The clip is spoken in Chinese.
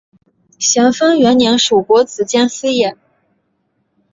咸丰元年署国子监司业。